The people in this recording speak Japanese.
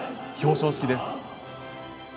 表彰式です。